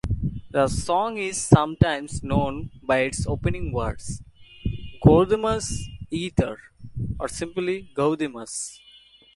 The song is sometimes known by its opening words, "Gaudeamus igitur" or simply "Gaudeamus".